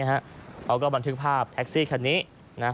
อย่างเงี้ยฮะเอาก็บันทึกภาพแท็กซี่คันนี้นะฮะ